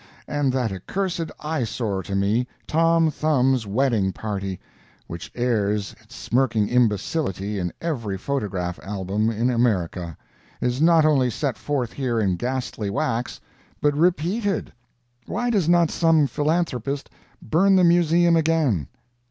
And that accursed eye sore to me, Tom Thumb's wedding party, which airs its smirking imbecility in every photograph album in America, is not only set forth here in ghastly wax, but repeated! Why does not some philanthropist burn the Museum again?